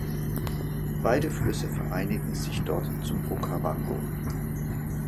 Beide Flüsse vereinigen sich dort zum Okavango.